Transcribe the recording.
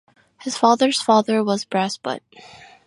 His father's father was a Brass Butt.